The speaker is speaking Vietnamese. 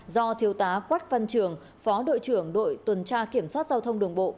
do thiếu tá quách văn trường phó đội trưởng đội tuần tra kiểm soát giao thông đường bộ